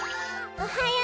おはよう！